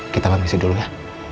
kita permisi dulu ya